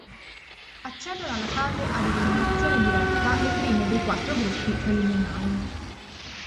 Accedono alla fase ad eliminazione diretta le prime dei quattro gruppi preliminari.